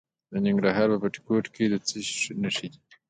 د ننګرهار په بټي کوټ کې د څه شي نښې دي؟